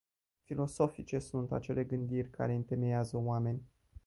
Filosofice sunt acele gândiri care întemeiază oameni.